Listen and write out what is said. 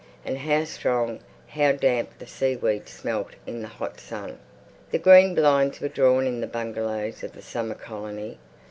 And how strong, how damp the seaweed smelt in the hot sun.... The green blinds were drawn in the bungalows of the summer colony.